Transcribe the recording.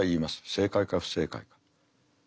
正解か不正解か。